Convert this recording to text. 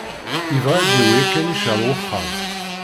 Yebɣa ad d-yawi akanic ar wexxam.